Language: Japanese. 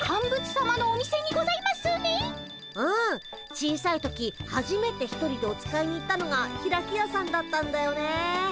小さい時はじめて一人でお使いに行ったのがひらきやさんだったんだよね。